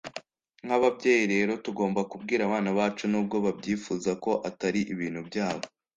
nk’ababyeyi rero tugomba kubwira abana bacu n’ubwo babyifuza ko atari ibintu byabo